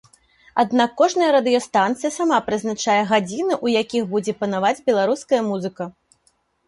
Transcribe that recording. Аднак кожная радыёстанцыя сама прызначае гадзіны, у якіх будзе панаваць беларуская музыка.